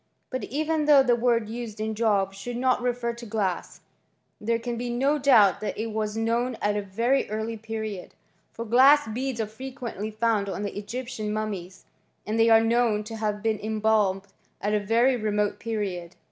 But even though tht d used in Job should not refer to glass, there can QO doubt that it was known at a very early period ; glass beads are frequently found on the Egyptian tnmieSy and they are known to have bfden embalmed very remote period.